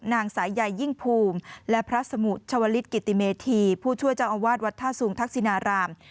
นายสายใยยิ่งภูมิและพระสมุทรชวลิศกิติเมธีผู้ช่วยเจ้าอาวาสวัดท่าสูงทักษินาราม